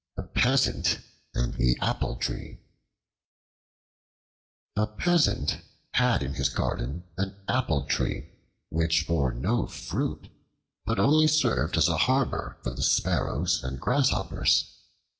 The Peasant and the Apple Tree A PEASANT had in his garden an Apple Tree which bore no fruit but only served as a harbor for the sparrows and grasshoppers.